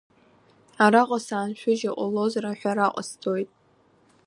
Араҟа сааншәыжь иҟалозар, аҳәара ҟасҵоит…